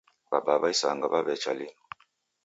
Wabaa wa isanga wawecha linu